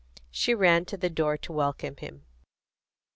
She ran to the door to welcome him.